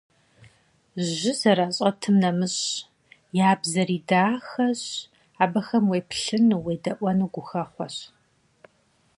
Жьы зэращӏэтым нэмыщӏ, я бзэри дахэщ, абыхэм уеплъыну, уедэӏуэну гухэхъуэщ.